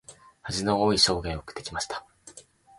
恥の多い生涯を送ってきました。